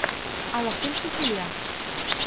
A l'estil sicilià